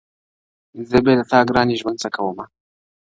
زه بې له تا گراني ژوند څه كومه